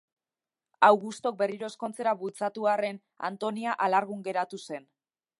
Augustok berriro ezkontzera bultzatu arren, Antonia alargun geratu zen.